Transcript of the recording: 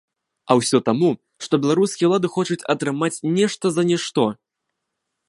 А ўсё таму, што беларускія ўлады хочуць атрымаць нешта за нішто.